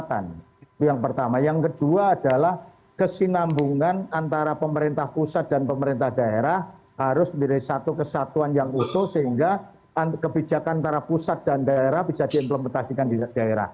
itu yang pertama yang kedua adalah kesinambungan antara pemerintah pusat dan pemerintah daerah harus menjadi satu kesatuan yang utuh sehingga kebijakan antara pusat dan daerah bisa diimplementasikan di daerah